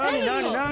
何？